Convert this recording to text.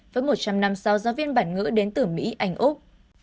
với một trăm linh năm sau giáo viên bản ngữ đến từ mỹ anh úc